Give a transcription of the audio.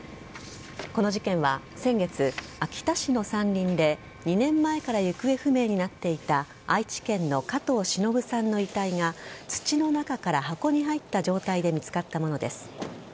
この事件は先月、秋田市の山林で２年前から行方不明になっていた愛知県の加藤しのぶさんの遺体が土の中から箱に入った状態で見つかったものです。